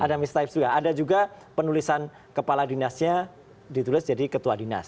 ada juga penulisan kepala dinasnya ditulis jadi ketua dinas